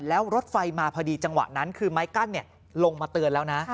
แล้วรถไฟมาพอดีจังหวะนั้นคือไม้กั้นลงมาเตือนแล้วนะ